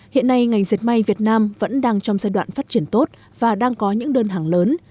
hiện nay ngành dệt may việt nam vẫn đang trong giai đoạn phát triển tốt và đang có những đơn hàng lớn